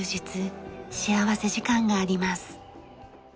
幸福時間があります。